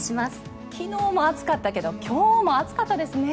昨日も暑かったけど今日も暑かったですね。